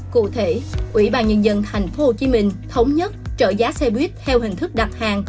cụ thể ủy ban nhân dân tp hcm thống nhất trợ giá xe buýt theo hình thức đặt hàng